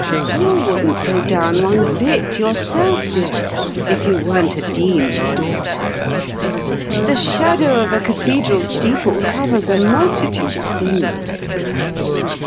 You wouldn't go down one bit yourself, dear, if you weren't a dean's daughter. The shadow of a cathedral steeple covers a multitude of sins.